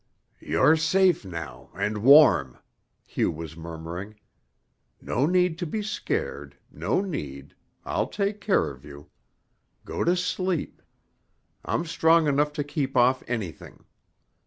"You're safe now, and warm," Hugh was murmuring. "No need to be scared, no need. I'll take care of you. Go to sleep. I'm strong enough to keep off anything.